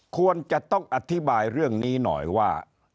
ควรจะต้องอธิบายเรื่องนี้หน่อยว่า